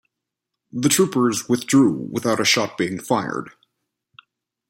The troopers withdrew without a shot being fired.